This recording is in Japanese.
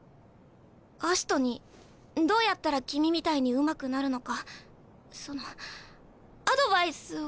アシトにどうやったら君みたいにうまくなるのかそのアドバイスを。